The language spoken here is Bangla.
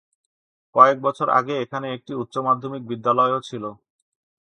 কয়েক বছর আগে এখানে একটি উচ্চ মাধ্যমিক বিদ্যালয়ও ছিল।